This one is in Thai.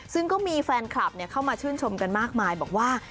ซึ่งก็มีแฟนคลับเข้ามาชื่นชมกันมากมายบอกว่า